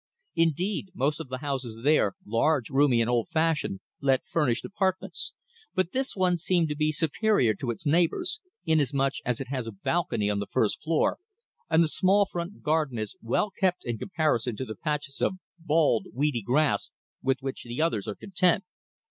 Indeed, most of the houses there, large, roomy and old fashioned, let furnished apartments, but this one seemed to be superior to its neighbours, inasmuch as it has a balcony on the first floor, and the small front garden is well kept in comparison to the patches of bald, weedy grass with which the others are content.